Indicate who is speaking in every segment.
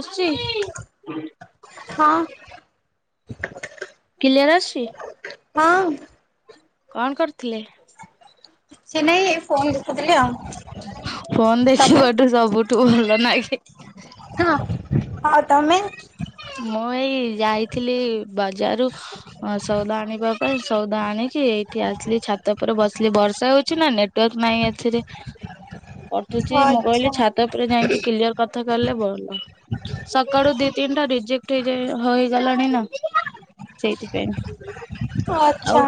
Speaker 1: ଆଶୁଛି।
Speaker 2: ହଁ।
Speaker 1: କ୍ଲିୟର ଆଶୁଛି।
Speaker 2: ହଁ।
Speaker 1: କଣ କରୁଥିଲେ?
Speaker 2: କିଛି ନାଇ ଏଇ ଫୋନ ଦେଖୁଥିଲି ଆଉ ତମେ।
Speaker 1: ତୁ ଭଲ ନାଇ।
Speaker 2: ହଁ ଆଉ ତମେ।
Speaker 1: ମୁଁ ଏଇ ଯାଇଥିଲି ବଜାରରୁ ହ ସଉଦା ଆଣିବା ପାଇଁ ସଉଦା ଆଣିକି ଏଇଠି ଆସିଲି ଛାତ ଉପରେ ବସିଲି ବର୍ଷା ହଉଛି ନା ନେ ନେଟୱର୍କ ନାହିଁ ଏଥିରେ କାଟୁଚି ମୁଁ
Speaker 2: ଆଚ୍ଛା
Speaker 1: କହିଲି ଛାତ ଉ ରେ ଯାଇକି କ୍ଲିୟର କଥା କଲେ ଭଲ ସକାଳୁ ଦି ତିନିଟା ରି ରିଯେକ୍ଟ ହେଇଯାଏ ହେଇଲାଣି ନା ସେଇଥିପାଇଁ।
Speaker 2: ଆଚ୍ଛା।
Speaker 1: ଆଉ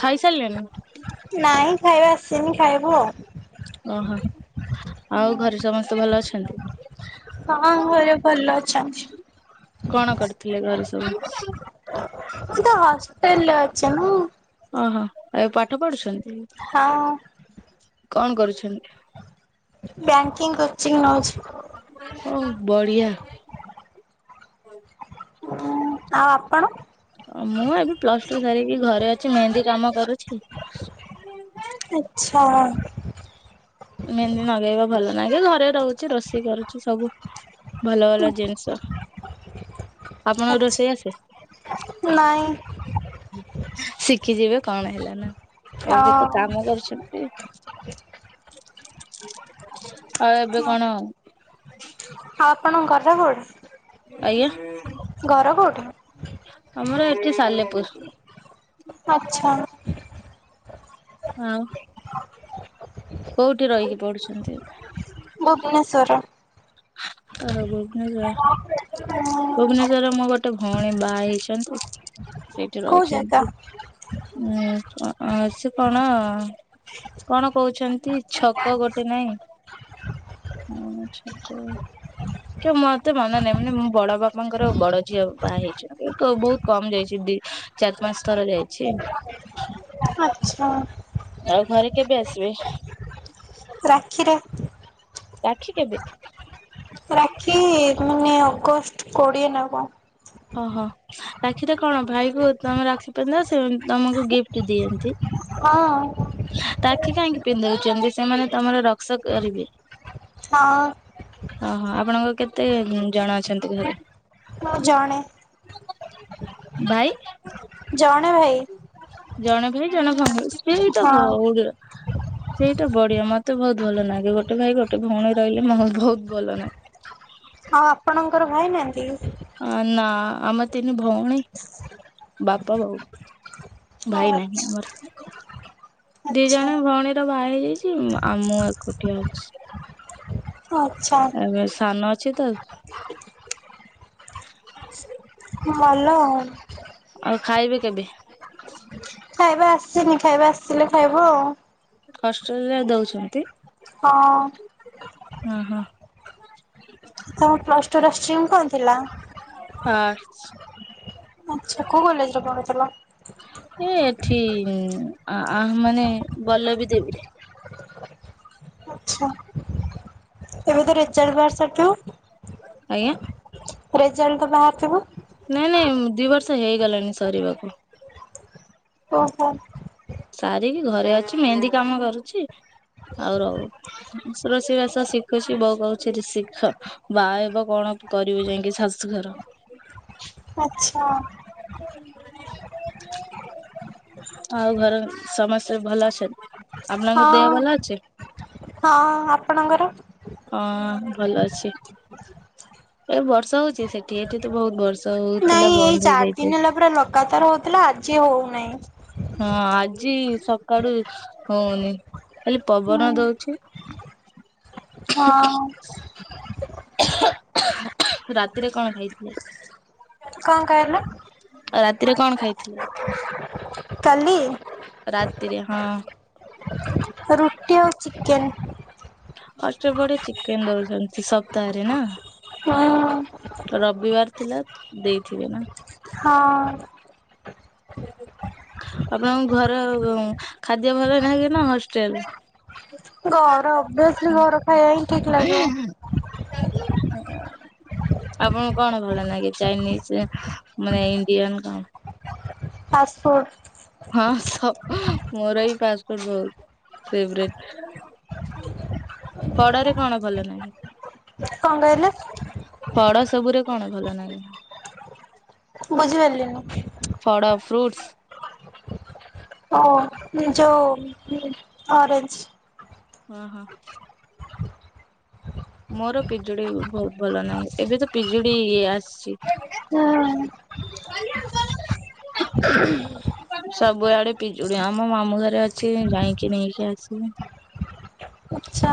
Speaker 1: ଖାଇସାରିଲେଣିି।
Speaker 2: ନାଇଁ ଖାଇବା ଆସିନି ଖାଇବୁ ଆଉ।
Speaker 1: ଓହୋ ଆଉ ଘରେ ସମସ୍ତେ ଭଲ ଅଛନ୍ତି।
Speaker 2: ହଁ ଘରେ ଭଲ ଅଛନ୍ତି।
Speaker 1: କଣ କରିଥିଲେ ଘରେ ସବୁ?
Speaker 2: ମୁ ତ ହଷ୍ଟେଲରେ ଅଛି ନା।
Speaker 1: ଓହୋ ଏବେ ପାଠ ପଢୁଛନ୍ତି।
Speaker 2: ହଁ।
Speaker 1: କଣ କରୁଛନ୍ତି?
Speaker 2: ବ୍ୟାଙ୍କିଙ୍ଗ କୋଚିଂ ନଉଚି।
Speaker 1: ଓ ବଢିଆ।
Speaker 2: ଆଉ ଆପଣ।
Speaker 1: ମୁଁ ଏବେ ପ୍ଲସ ଟୁ ସାରିକି ଘରେ ଅଛି ମେହେନ୍ଦୀ କାମ କରୁଛି।
Speaker 2: ଆଚ୍ଛା।
Speaker 1: ମେହେନ୍ଦି ଲଗେଇବା ଭଲ ନାଗେ ଘରେ ରହୁଛି ରୋଷେଇ କରୁଛୁ ସବୁ। ଭଲ ଭଲ ଜିନିଷ ଆପଣଙ୍କୁ ରୋଷେଇ ଆସେ।
Speaker 2: ନାଇ।
Speaker 1: ଶିଖିଯିବେ କଣ ହେଲା ନା
Speaker 2: ଅ
Speaker 1: ଏବେ ତ
Speaker 2: ଆଉ
Speaker 1: କାମ କରୁଛନ୍ତି। ଆଉ ଏବେ କଣ
Speaker 2: ହଉ ଆପଣଙ୍କ ଘର କୋଉଠି?
Speaker 1: ଆଜ୍ଞା।
Speaker 2: ଘର କୋଉଠି?
Speaker 1: ଆମର ଏଠି ସାଲେପୁର।
Speaker 2: ଆଛା।
Speaker 1: ହଁ। କୋଉଠି ରହିକି ପଢୁଛନ୍ତି?
Speaker 2: ଭୁବନେଶ୍ଵର।
Speaker 1: ତାର ଭୁବନେଶ୍ଵର ଭୁବନେଶ୍ଵରରେ ମୋ ଗୋଟେ ଭଉଣୀ ବାହା ହେଇଛନ୍ତି। ସେଇଠି
Speaker 2: କୋଉ ଜାଗା?
Speaker 1: ରହୁଛନ୍ତି ଉ ଆ ସେ କଣ? କଣ କହୁଛନ୍ତି ଛକ ଗୋଟେ ନାଇଁ କି ମତେ ମନ ନାହିଁ ମାନେ ମୁଁ ବଡ ବାପାଙ୍କର ଆଉ ବଡ ଝିଅ ବାହା ହେଇଛନ୍ତି। ବହୁତ କମ ଯାଇଛି ଦି ଚାରି ପାଞ୍ଚ ଥର ଯାଇଛି।
Speaker 2: ଆଚ୍ଛା।
Speaker 1: ଆଉ ଘରେ କେବେ ଆସିବେ?
Speaker 2: ରାକ୍ଷୀରେ।
Speaker 1: ରାକ୍ଷୀ କେବେ?
Speaker 2: ରାକ୍ଷୀ ମାନେ ଅଗଷ୍ଟ କୋଡିଏ ନା କଣ?
Speaker 1: ଓହୋ ରାକ୍ଷୀରେ କଣ ଭାଇ କ ତମେ ରାକ୍ଷୀ ପିନ୍ଧାଅ ସେ ତମକୁ ଗିଫ୍ଟ ଦିଅନ୍ତି?
Speaker 2: ହଁ।
Speaker 1: ରାକ୍ଷୀ କାହିଁକି ପିନ୍ଧଉଛନ୍ତି ସେମାନେ ତମର ରକ୍ସା କରିବେ?
Speaker 2: ହଁ।
Speaker 1: ଓହୋ ଆପଣଙ୍କ କେତେ ଜଣ ଅଛନ୍ତି ଘରେ?
Speaker 2: ମୁଁ ଜଣେ।
Speaker 1: ଭାଇ
Speaker 2: ଜଣେ ଭାଇ।
Speaker 1: ଜଣେ ଭାଇ ଜଣେ ଭଙ୍ଗ ସେ
Speaker 2: ହଁ
Speaker 1: ତ ବଉ ସେଇଟା ବଢିଆ ମତେ ବହୁତ ଭଲ ନାଗେ ଗୋଟେ ଭାଇ ଗୋଟେ ଭଉଣୀ ରହିଲେ ମୋ ବହୁତ ଭଲ ନାଗେ।
Speaker 2: ହଉ ଆପଣଙ୍କର ଭାଇ ନାହାନ୍ତି କି?
Speaker 1: ନା ଆମେ ତିନି ଭଉଣୀ ବାପା ବୋଉ। ଭାଇ ନାହିଁ ଆମର। ଦି
Speaker 2: ଆଚ୍ଛା
Speaker 1: ଜଣ ଭଉଣୀର ବାହା ହେଇଯାଇଛି ଆମଁ ଏକୁଟିଆ ଅଛି।
Speaker 2: ଆଚ୍ଛା।
Speaker 1: ଏବେ ସାନ ଅଛି ତ
Speaker 2: ମଲ ଆଉ।
Speaker 1: ଆଉ ଖାଇବି କେବେ?
Speaker 2: ଖାଇବା ଆସିନି ଖାଇବା ଆସିିଲେ ଖାଇବୁ ଆଉ।
Speaker 1: ହଷ୍ଟେଲରେ ଦଉଛନ୍ତି?
Speaker 2: ହଁ।
Speaker 1: ଓ ହୋ।
Speaker 2: ତମ ପ୍ଲସ ଟୁ ର ଷ୍ଟିମ କଣ ଥିଲା?
Speaker 1: ଆ
Speaker 2: ଆଚ୍ଛା କୋଉ କଲେଜରେ ପଢୁଥିଲ?
Speaker 1: ଏ ଏଠି ଆ ଆ ମାନେ ବଲ୍ଲବୀ ଦେବୀରେ
Speaker 2: ଆଛା। ଏବେ ତ ରିଚାଜ୍ ବା ସରିଥିବ?
Speaker 1: ଆଜ୍ଞା।
Speaker 2: ରେଜଲଟ୍ ତ ବାହାରିଥିବ?
Speaker 1: ନାଇଁ ନାଇଁ ଦୁଇ ବର୍ଷ ହେଇଗଲାଣି ସରିବାକୁ।
Speaker 2: ଓହୋ।
Speaker 1: ସାରିକି ଘରେ ଅଛି ମେହେନ୍ଦୀ କାମ କରୁଚି ଆଉ ରହୁ ରୋଷେଇ ବାସ ଶିଖୁଛି ବୋଉ କହୁଛି ଶିଖ। ବାହା ହେବ କଣ କରିବୁ ଯାଇଁକି ଶାଶୁଘର।
Speaker 2: ଆଚ୍ଛା।
Speaker 1: ଆଉ ଘର ସମସ୍ତେ ଭଲ ଅଛନ୍ତି? ଆପଣଙ୍କ
Speaker 2: ହଁ
Speaker 1: ଦେହ ଭଲ ଅଛି?
Speaker 2: ହଁ ଆପଣଙ୍କର?
Speaker 1: ହଁ ଭଲ ଅଛି ଏ ବର୍ଷା ହଉଛି ସେଠି ଏଠି ତ ବହୁତ ବର୍ଷା। ହଉଥିଲା
Speaker 2: ନାଇଁ ଏଇ
Speaker 1: ବନ୍ଦ
Speaker 2: ଚାରି
Speaker 1: ହେଇଯାଇଛି।
Speaker 2: ଦିନ ହେଲା ପୁରା ଲଗାତାର ହଉଥିଲା ଆଜି ହଉନାହିଁ।
Speaker 1: ହଁ ଆଜି ସକାଡୁ ହଉନି ଖାଲି
Speaker 2: ହୁଁ
Speaker 1: ପବନ ଦଉଚି।
Speaker 2: ହଁ।
Speaker 1: ରାତିରେ କଣ ଖାଇଥିଲେ?
Speaker 2: କଣ କହିଲେ?
Speaker 1: ଆଉ ରାତିରେ କଣ ଖାଇଥିଲି?
Speaker 2: କାଲି?
Speaker 1: ରାତିିରେ ହଁ।
Speaker 2: ରୁଟି ଆଉ ଚିକେନ।
Speaker 1: ଅଷ୍ଟ ପଡି ଚିକେନ ଦଉଚନ୍ତି ସପ୍ତାହରେ ନା।
Speaker 2: ହଁ।
Speaker 1: ରବିବାର ଥିଲା ଦେଇଥିବେ ନା?
Speaker 2: ହଁ।
Speaker 1: ଆପଣଙ୍କ ଘରେ ଖାଦ୍ୟ ଭଲ ନଗେନା ହଷ୍ଟେଲ ରେ?
Speaker 2: ଘର ଅଭିଅସଲି ଘର ଖାଇବା ହିଁ ଠିକ ଲାଗିବ।
Speaker 1: ର ଆପଣଙ୍କୁ କଣ ଭଲ ନାଗେ ଚାଇନିଜ ମାନେ ଇଣ୍ଡିଆନ କଣ?
Speaker 2: ଫାଷ୍ଟଫୁଡ୍।
Speaker 1: ହଁ ଶ ମୋର ବି ଫାଷ୍ଟଫୁଡ୍ ବହୁତ ଫେବ୍ରେଟ। ପଡରେ କଣ ଭଲ ନାହିଁ?
Speaker 2: କଣ କହିଲେ?
Speaker 1: ଫଡ଼ ସବୁରେ କଣ ଭଲନାଗେ?
Speaker 2: ବୁଝିପାରିଲିନି?
Speaker 1: ଫଡ଼ ଫ୍ରୁଟ୍ସ୍?
Speaker 2: ଓ ଯୋଉ ଅରେଞ୍ଜ୍।
Speaker 1: ଓ ହୋ। ମୋର ପିଜୁଡି ବହୁତ ଭଲ ନାଗେ ଏବେ ତ ପିଜୁଡି ବି ଆସିଚି।
Speaker 2: ନାଁ।
Speaker 1: [inaudible]
Speaker 2: ହ [unintelligible]
Speaker 1: ସବୁଆଡେ ପିଜୁଡି ଆମ ମାମୁଁ ଘରେ ଅଛି ଯାଇଁକି ନେଇକି ଆସିବି।
Speaker 2: ଆଛା।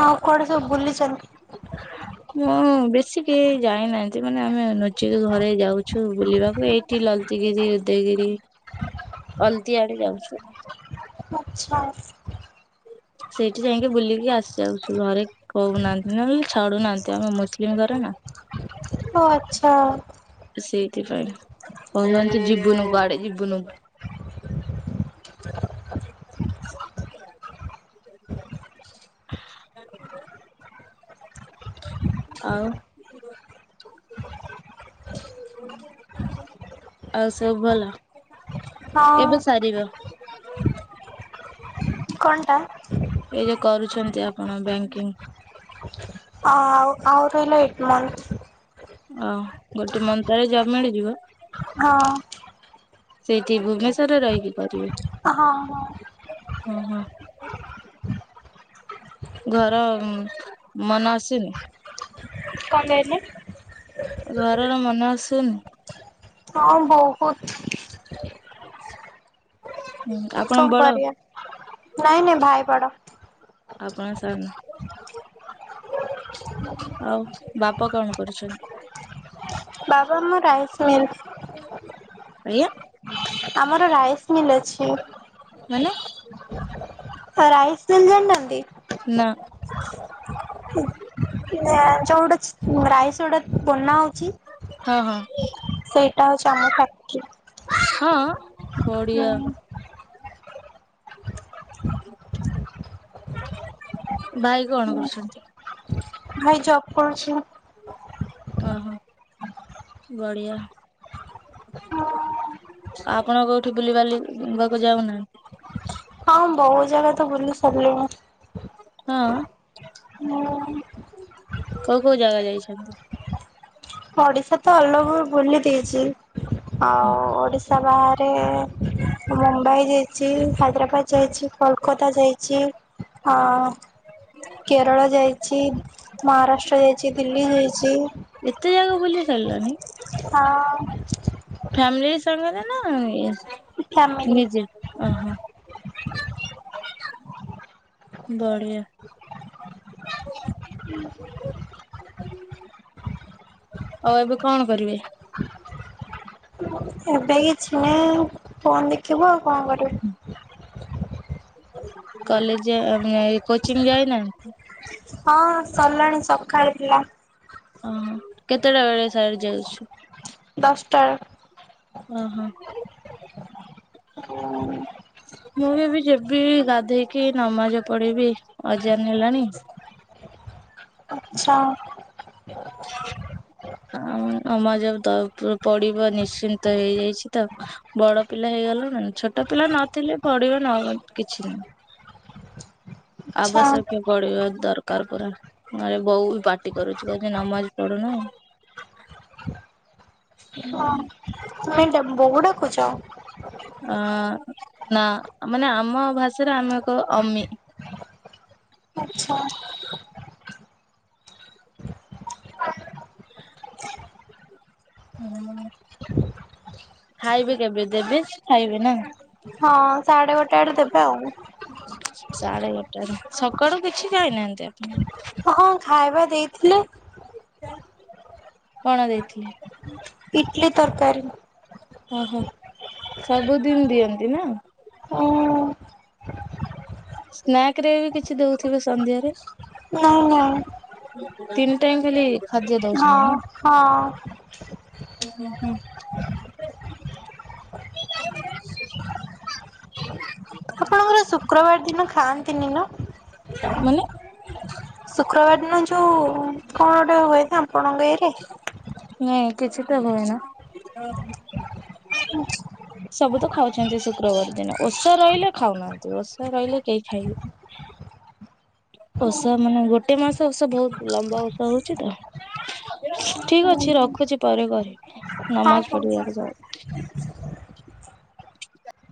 Speaker 2: ଆଉ କୁଆଡେ ସବୁ ବୁଲିଚନ୍ତି?
Speaker 1: [inaudible] [unintelligible] ମୁଁ ବେଶୀ କେହି ଯାଇନାହାନ୍ତି ମାନେ ଆମେ ନଜକୁ ଘରେ ଯାଉଚୁ ବୁଲିବାକୁ ଏଇଠି ଲ ତି ଗିରି ଉଦୟଗିରି ଅଲତି ଆଡେ ଯାଉଚୁ।
Speaker 2: ଆଛା।
Speaker 1: ସେଇଠି ଯାଇଁକି ବୁଲିକି ଆସିଯାଉଛୁ ଘରେ କହୁନାହାନ୍ତି ନହେଲେ ଛାଡୁନାହାନ୍ତି ଆମ ମୁସଲିମ ଘର ନା।
Speaker 2: ଓ ଆଚ୍ଛା।
Speaker 1: ସେଇଥିପାଇଁ କହୁଚନ୍ତି ଯିବୁନୁ କୁଆଡେ ଯିବୁନୁ କୁଆଡେ।
Speaker 2: [unintelligible] [inaudible]
Speaker 1: [inaudible] ଆଉ ଆଉ ସବୁ ଭଲ
Speaker 2: ହଁ
Speaker 1: କେବେ ସାରିବ?
Speaker 2: କଣଟା?
Speaker 1: ଏବେ କରୁଛନ୍ତି ଆପଣ ବ୍ୟାଙ୍କିଙ୍ଗ୍?
Speaker 2: ଆଉ ଆଉ ରହିଲା ଏକ୍ ମନ୍ଥ୍।
Speaker 1: ଆଉ ଗୋଟେ ମନ୍ଥ୍ ପରେ ଜବ୍ ମିଳିଯିବ।
Speaker 2: ହଁ।
Speaker 1: ସେଇଠି ଭୁବନେଶ୍ୱରରେ ରହିକି କରିବେ।
Speaker 2: ହଁ ହଁ।
Speaker 1: ଉଁ ହୁଁ। ଘର ଉଁ ମନ ଆସିନି।
Speaker 2: କଁ କଇଲେ?
Speaker 1: ଆଉ ଘରର ମନ ଆସୁନି?
Speaker 2: ହଁ ବୋହୁତ।
Speaker 1: ହୁଁ ଆପଣ
Speaker 2: କଁ ଆଉ
Speaker 1: ବଡ
Speaker 2: କରିଆ ନାଇଁ ନାଇଁ ଭାଇ ବଡ।
Speaker 1: ଆପଣ ସାନ। ଆଉ ବାପା କଣ କରୁଛନ୍ତି?
Speaker 2: ବାବା ମୋ ରାଇସ୍ ମିଲ୍।
Speaker 1: ଆଜ୍ଞା।
Speaker 2: ଆମର ରାଇସ୍ ମିଲ୍ ଅଛି।
Speaker 1: ମାନେ
Speaker 2: ରାଇସ୍ ମିଲ୍ ଜାଣିନାହାନ୍ତି।
Speaker 1: ନା।
Speaker 2: ନା ଯୋଉଡେ ଛି୍ ଉଁ ରାଇସ୍ ଯୋଉଡେ ବନା ହଉଛି।
Speaker 1: ହଁ ହଁ।
Speaker 2: ସେଇଟା ହଉଛି ଆମ ଫ୍ୟାକ୍ଟ୍ରି।
Speaker 1: ହଁ ବଡିଆ।
Speaker 2: ହୁଁ।
Speaker 1: ଭାଇ କଣ କରୁଛନ୍ତି?
Speaker 2: ଭାଇ ଜବ୍ କରୁଛି।
Speaker 1: ଓହୋ ବଢିଆ। ଆପଣ କୋଉଠି ବୁଲିବାଲିି ଉଁ ବାକୁ ଯାଉନାହାନ୍ତି?
Speaker 2: ହଁ ମୁଁ ବୋହୁତ ଜାଗା ତ ବୁଲି ସାରିଲିଣି।
Speaker 1: ହଁ
Speaker 2: ହୁଁ
Speaker 1: କୋଉ କୋଉ ଜାଗା ଯାଇଛନ୍ତି?
Speaker 2: ଓଡିଶା ତ ଅଲ୍ ଓଭର୍ ବୁଲି ଦେଇଚି। ଆଉ ଓଡିଶା ବାହାରେ ମୁମ୍ବାଇ ଯାଇଛି ହାଇଦ୍ରାବାଦ ଯାଇଛି କୋଲକତା ଯାଇଛି। ହଁ କେରଳ ଯାଇଛି। ମହାରାଷ୍ଟ୍ର ଯାଇଛି ଦିଲ୍ଲୀ ଯାଇଛି।
Speaker 1: ଏତେ ଜାଗା ବୁଲି ସାରିଲନି।
Speaker 2: ହଁ।
Speaker 1: ଫ୍ୟାମିଲି ସାଙ୍ଗରେ ନା ଇଏ
Speaker 2: ଫ୍ୟାମିଲି
Speaker 1: ନିଜେ ଓହୋ। ବଢିଆ।
Speaker 2: ହୁଁ।
Speaker 1: ଆଉ ଏବେ କଣ କରିବେ?
Speaker 2: ଏବେ କିଛି ନାଇଁ ଫୋନ୍ ଦେଖିବୁ ଆଉ କଁ କରିବୁ।
Speaker 1: କଲେଜ ଆ ମି ଆ ଏ କୋଚିଂ ଯାଇନାହାନ୍ତି?
Speaker 2: ହଁ ସରଲାଣି ସକାଳେ ଥିଲା।
Speaker 1: ଓହୋ। କେତେଟା ବେଳେ ସରିଯାଉଛି?
Speaker 2: ଦଶଟା।
Speaker 1: ଓ ହଁ।
Speaker 2: ଅଁ,
Speaker 1: ମୁଁ ଏବେ ଯେବି ଗାଧେଇକି ନମାଜ ପଢିବି ଅଜାନ ହେଲାଣି।
Speaker 2: ଛା
Speaker 1: ଆଁ, ନମାଜ ତ ପ- ପଡିବା ନିଶ୍ଚିନ୍ତ ହେଇଯାଇଛି ତ। ବଡ ପିଲା ହେଇଗଲୁଣି ଛୋଟ ପିଲା ନଥିଲେ ପଢିବା ନ କିଛି ନାହିଁ।
Speaker 2: ଆଚ୍ଛା
Speaker 1: ଆବଶ୍ୟକ ପଢିବା ଦରକାର ପୁରା। ନେଲେ ବୋଉ ବି ପାଟି କରୁଛୁ, କହୁଚି ନମାଜ ପଢୁନୁ। [inaudible]
Speaker 2: ହଁ, ନାଇଁ ତୋମ ବୋଉ ଡାକୁୁଛ?
Speaker 1: ଅଁ, ନା ଆ, ମାନେ ଆମ ଭାଷାରେ ଆମେ କହୁ ଅମି।
Speaker 2: ଆଚ୍ଛା।
Speaker 1: ହଁ। ଖାଇବେ କେବେ? ଦେବେ ଖାଇବେ ନା।
Speaker 2: ହଁ ସାଢ଼େ ଗୋଟେ ଆଡେ ଦେବେ ଆଉ।
Speaker 1: ସାଢେ ଗୋଟେରେ, ସକାଳୁ କିଛି ଖାଇନାହାନ୍ତି ଆପଣ?
Speaker 2: ହଁ ଖାଇବା ଦେଇଥିଲେ।
Speaker 1: କଣ ଦେଇଥିଲେ?
Speaker 2: ଇଟଲି ତରକାରୀ।
Speaker 1: ଓହୋ, ସବୁଦିନ ଦିଅନ୍ତି ନା?
Speaker 2: ଉଁ
Speaker 1: ସ୍ନାକ୍ ରେ ବି କିଛି ଦଉଥିବେ ସନ୍ଧ୍ୟାରେ?
Speaker 2: ନାଇଁ, ନାଇଁ।
Speaker 1: ତିନି ଟାଇମ୍ ଖାଲି? ଖାଦ୍ୟ ଦଉଛନ୍ତି
Speaker 2: ହଁ, ହଁ।
Speaker 1: ଓ ହୋ, ହୁଁ,।
Speaker 2: ଆପଣଙ୍କର ଶୁକ୍ରବାର ଦିନ ଖାଆନ୍ତିନି ନା?
Speaker 1: ମାନେ
Speaker 2: ଶୁକ୍ରବାର ଦିନ ଯୋଉ କଣ ଗୋଟେ ହୁଏନା ଆପଣଙ୍କ ଇଏରେ?
Speaker 1: ନାଇଁ କିଛି ତ ହୁଏନା।
Speaker 2: ଆ [inaudible]
Speaker 1: ସବୁ ତ ଖାଉଛନ୍ତି ଶୁକ୍ରବାର ଦିନ। ଓଷା ରଇଲେ ଖାଉନାହାନ୍ତି। ଓଷା ରଇଲେ କେହି ଖାଇବେନି। ଓଷା ମାନେ ଗୋଟେ ମାସ ଓଷା ବହୁତ ଲମ୍ବା ଓଷା ହଉଛି ତ। ଠିକ
Speaker 2: ହଁ
Speaker 1: ଅଛି ରଖୁଛି, ପରେ କରିବି ନମାଜ
Speaker 2: ହଁ ହଁ।
Speaker 1: ପଢିବାକୁ ଯାଉ